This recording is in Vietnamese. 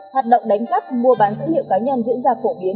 hoạt động đánh cắp mua bán dữ liệu cá nhân diễn ra phổ biến